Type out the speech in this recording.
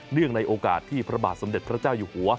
ในโอกาสที่พระบาทสมเด็จพระเจ้าอยู่หัว